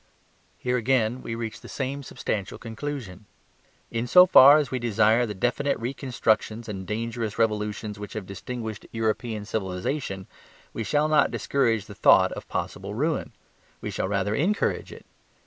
Here again we reach the same substantial conclusion. In so far as we desire the definite reconstructions and the dangerous revolutions which have distinguished European civilization, we shall not discourage the thought of possible ruin; we shall rather encourage it.